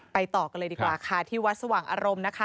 ต่อกันเลยดีกว่าค่ะที่วัดสว่างอารมณ์นะคะ